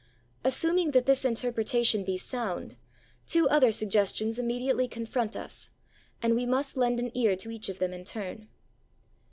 Assuming that this interpretation be sound, two other suggestions immediately confront us; and we must lend an ear to each of them in turn.